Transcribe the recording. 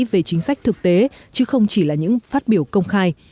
về chính sách thực tế chứ không chỉ là những phát biểu công khai